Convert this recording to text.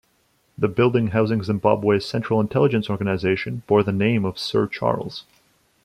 The building housing Zimbabwe's Central Intelligence Organization bore the name of Sir Charles.